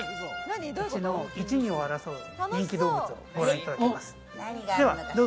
うちの１、２を争う人気動物をご覧いただきます。